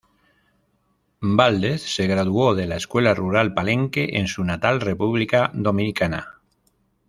Valdez se graduó de la Escuela Rural Palenque en su natal República Dominicana.